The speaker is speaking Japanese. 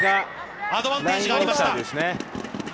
アドバンテージがありました。